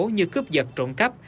như cướp vật trộn cắp